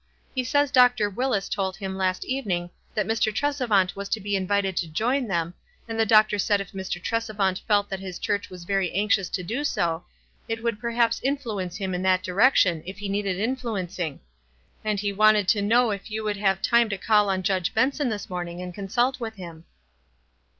He says Dr. Willis told him last even ing that Mr. Tresevant was to be invited to join them, and the doctor said if Mr. Tresevant felt that his church was very anxious to do so, it would perhaps influence him in that direction, if he needed influencing. And he wanted to know if you would have time to call on Judge Benson this morning and consult with him."